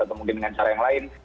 atau mungkin dengan cara yang lain